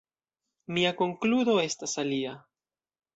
Mia konkludo estas alia.